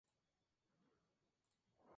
Es decir, educar para la acción.